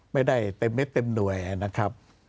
ไม่ได้เต็มเม็ดเต็มหน่วยนะครับ